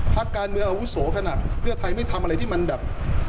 พักการเมืองอาวุโสขนาดเพื่อไทยไม่ทำอะไรที่มันแบบ